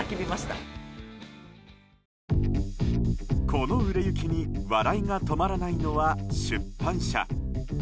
この売れ行きに笑いが止まらないのは出版社。